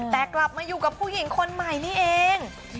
แต่กลับมาอยู่กับผู้หญิงคนใหม่นี่เอง